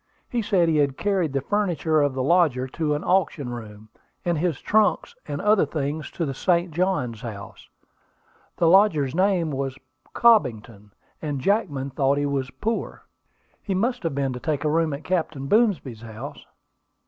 He said he had carried the furniture of the lodger to an auction room, and his trunks and other things to the St. Johns House. The lodger's name was Cobbington; and Jackman thought he was poor." "He must have been, to take a room at Captain Boomsby's house."